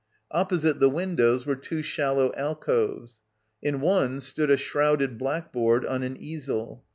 Opposite the windows were two shallow alcoves. In one stood a shrouded blackboard on an easel.